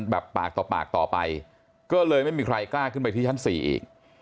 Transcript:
แบบปากต่อปากต่อไปก็เลยไม่มีใครกล้าขึ้นไปที่ชั้น๔อีก